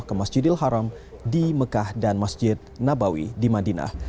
kami berhasil menerima informasi dari ketua masjid al haram di mekah dan masjid nabawi di madinah